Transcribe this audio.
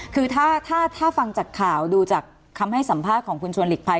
คือถ้าฟังจากข่าวดูจากคำให้สัมภาษณ์ของคุณชวนหลีกภัย